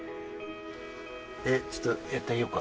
ちょっとやってあげようか？